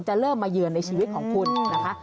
เริ่มมาเยือนในชีวิตของคุณนะคะ